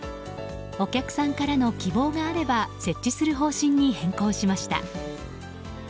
お客さんからの希望があれば設置する方針に変更しました。